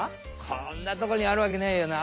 こんなとこにあるわけないよな。